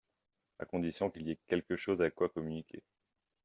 À condition qu’il y ait quelque chose avec quoi communiquer.